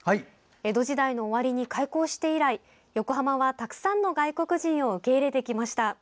江戸時代の終わりに開港して以来横浜はたくさんの外国人を受け入れてきました。